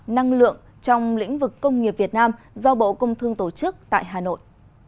năng lượng trong lĩnh vực công nghiệp việt nam do bộ công thương tổ chức tại hà nội